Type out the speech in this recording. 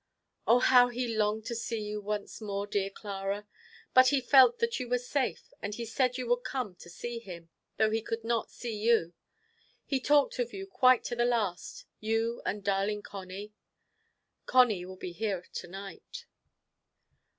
"Oh, how he longed to see you once more, dear Clara, But he felt that you were safe, and he said you would come to see him, though he could not see you. He talked of you quite to the last; you and darling Conny." "Conny will be here to night."